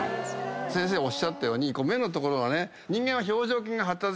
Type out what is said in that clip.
先生おっしゃったように目の所がね。